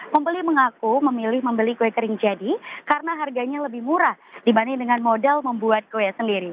pembeli mengaku memilih membeli kue kering jadi karena harganya lebih murah dibanding dengan modal membuat kue sendiri